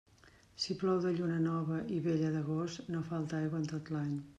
Si plou de lluna nova i vella d'agost, no falta aigua en tot l'any.